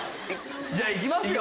じゃあいきますよ。